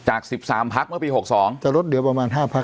จาก๑๓พักเมื่อปี๖๒จะลดเหลือประมาณ๕พัก